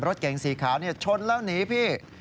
รถเก๋งสีขาวชนแล้วหนีพี่